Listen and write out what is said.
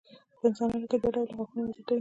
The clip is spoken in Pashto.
په انسانانو کې دوه ډوله غاښونه وده کوي.